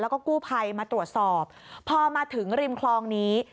แล้วก็กู้ภัยมาตรวจสอบพอมาถึงริมคลองนี้